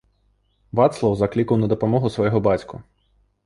Вацлаў заклікаў на дапамогу свайго бацьку.